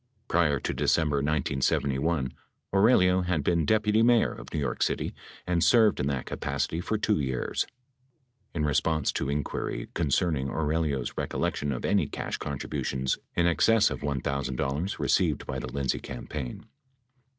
Prior to Decem ber 1971, Aurelio had been deputy mayor of New York City and served in that capacity for 2 years. In response to inquiry concerning Aurelio's recollection of any cash contributions in excess of $1,000 received by the Lindsay campaign.